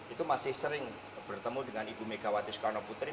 itu masih sering bertemu dengan ibu megawati soekarno putri